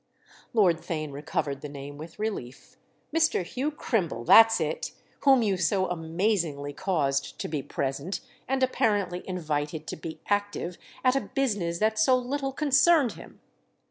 Lord Theign recovered the name with relief. "Mr. Hugh Crimble—that's it!—whom you so amazingly caused to be present, and apparently invited to be active, at a business that so little concerned him."